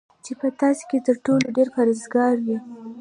چی په تاسی کی تر ټولو ډیر پرهیزګاره وی